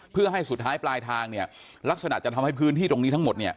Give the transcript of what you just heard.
เพื่อให้สุดท้ายปลายทางเนี่ยลักษณะจะทำให้พื้นที่ตรงนี้ทั้งหมดเนี่ย